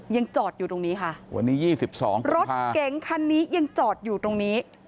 ยังจอดอยู่ตรงนี้ค่ะวันนี้ยี่สิบสองกุมภาพันธุ์รถเก๋งคันนี้ยังจอดอยู่ตรงนี้